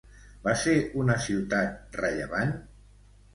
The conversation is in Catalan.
Va ser una ciutat rellevant?